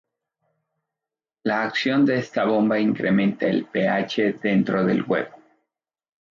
La acción de esta bomba incrementa el pH dentro del huevo.